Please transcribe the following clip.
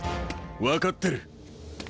分かってる。